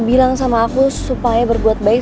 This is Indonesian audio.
bilang sama aku supaya berbuat baik